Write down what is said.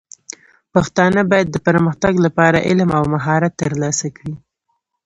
پښتانه بايد د پرمختګ لپاره علم او مهارت ترلاسه کړي.